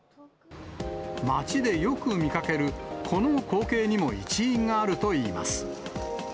街でよく見かける、この光景にも一因があるといいます。